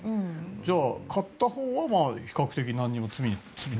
じゃあ、買ったほうは比較的、罪に。